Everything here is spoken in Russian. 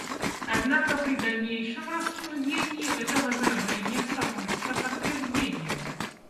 Однако при дальнейшем рассуждении это возражение становится подтверждением.